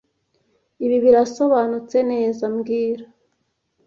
Ibi birasobanutse neza mbwira